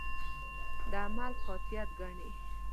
د عمل قاطعیت ګڼي.